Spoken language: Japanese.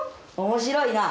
面白いな。